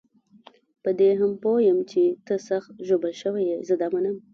په دې هم پوه یم چې ته سخت ژوبل شوی یې، زه دا منم.